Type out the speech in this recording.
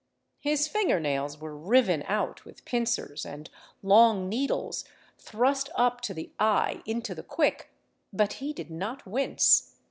His finger nails were riven out with pincers, and long needles thrust up to the eye into the quick; but he did not wince.